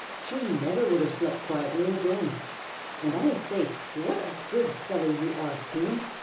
She never would have slept quietly again. And, I say! what a good fellow you are, Coon!